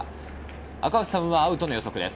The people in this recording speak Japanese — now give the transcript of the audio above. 赤星さんはアウトの予測です。